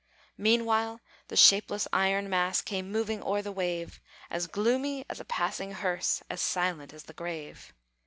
Meanwhile the shapeless iron mass Came moving o'er the wave, As gloomy as a passing hearse, As silent as the grave.